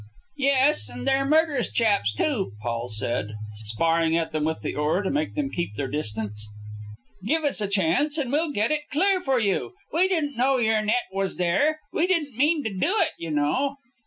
"Yes, and they're murderous chaps, too," Paul said, sparring at them with the oar to make them keep their distance. "Say, you fellows!" he called to them. "Give us a chance and we'll get it clear for you! We didn't know your net was there. We didn't mean to do it, you know!"